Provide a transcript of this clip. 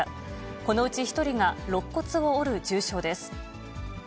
このうち１人がろっ骨を折る重傷です。